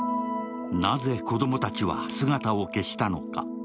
なぜ子供たちは姿を消したのか。